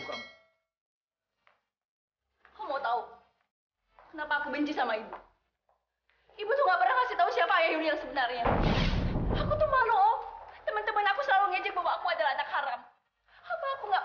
kamu boleh marah sama bapak kamu